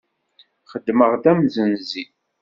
Xeddmeɣ d amsenzi.